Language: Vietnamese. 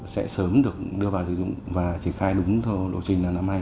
sẽ sớm được đưa vào sử dụng và triển khai đúng lộ trình là năm hai nghìn hai mươi